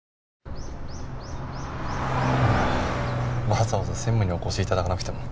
わざわざ専務にお越し頂かなくても。